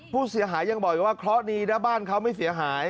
ผู้เสียหายยังบอกอีกว่าเคราะห์ดีนะบ้านเขาไม่เสียหาย